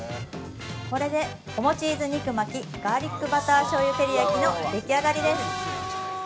これで、おもチーズ肉巻きガーリックバター醤油照り焼きのでき上がりです。